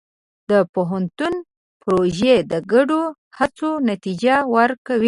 د پوهنتون پروژې د ګډو هڅو نتیجه ورکوي.